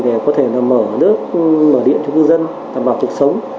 để có thể mở nước mở điện cho người dân